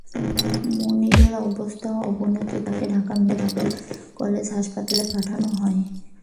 মনিরের অবস্থার অবনতি ঘটলে তাঁকে ঢাকা মেডিকেল কলেজ হাসপাতালে পাঠানো হয়।